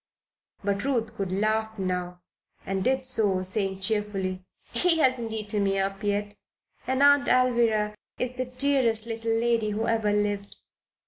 But Ruth could laugh now and did so, saying, cheerfully: "He hasn't eaten me up yet! And Aunt Alvirah is the dearest little lady who ever lived."